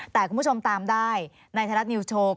แต่คุณผู้ชมตามได้ในไทยรัฐนิวส์โชว์